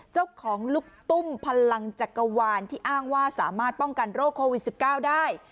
เจ้าของลูกตุ้มพลังจักรวาลที่อ้างว่าสามารถป้องกันโรคโควิด๑๙ได้